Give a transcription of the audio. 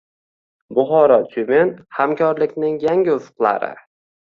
Buxoro – Tyumen: hamkorlikning yangi ufqlari